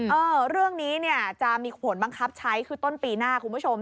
เออเรื่องนี้เนี่ยจะมีผลบังคับใช้คือต้นปีหน้าคุณผู้ชม